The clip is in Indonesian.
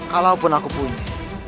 kalaupun aku punya